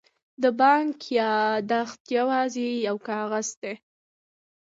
د بانک یادښت یوازې یو کاغذ دی.